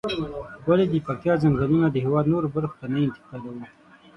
ولې د پکتيا ځنگلونه د هېواد نورو برخو ته نه انتقالوو؟